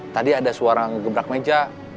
tadi ada suara ngegebrak meja